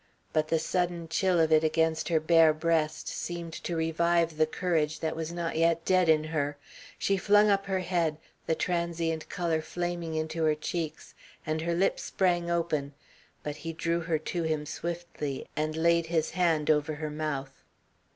But the sudden chill of it against her bare breast seemed to revive the courage that was not yet dead in her. She flung up her head, the transient colour flaming into her cheeks, and her lips sprang open, but he drew her to him swiftly, and laid his hand over her mouth.